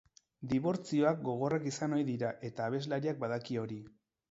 Dibortzioak gogorrak izan ohi dira eta abeslariak badaki hori.